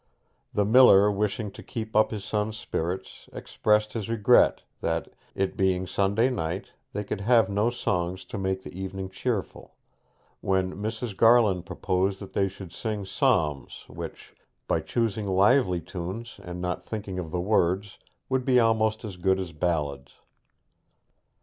The miller wishing to keep up his son's spirits, expressed his regret that, it being Sunday night, they could have no songs to make the evening cheerful; when Mrs. Garland proposed that they should sing psalms which, by choosing lively tunes and not thinking of the words, would be almost as good as ballads.